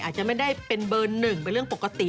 อาจจะไม่ได้เป็นเบอร์หนึ่งเป็นเรื่องปกติ